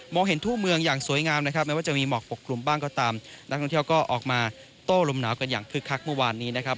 เห็นทั่วเมืองอย่างสวยงามนะครับไม่ว่าจะมีหมอกปกคลุมบ้างก็ตามนักท่องเที่ยวก็ออกมาโต้ลมหนาวกันอย่างคึกคักเมื่อวานนี้นะครับ